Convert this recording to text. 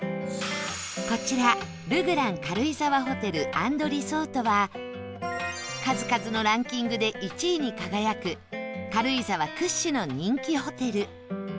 こちらルグラン軽井沢ホテル＆リゾートは数々のランキングで１位に輝く軽井沢屈指の人気ホテル